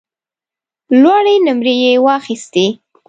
لوړې نمرې یې واخیستې.